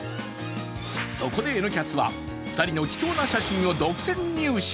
そこで「Ｎキャス」は２人の貴重な写真を独占入手。